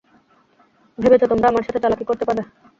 ভেবেছো তোমরা আমার সাথে চালাকি করতে পারবে?